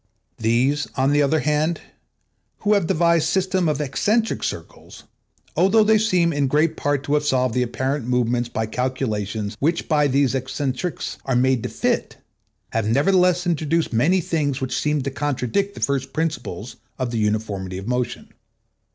These, on the other hand, who have devised systems of eccentric circles, although they seem in great part to have solved the apparent movements by calculations which by these eccentrics are made to fit, have nevertheless introduced many things which seem to contradict the first principles of the uniformity of motion.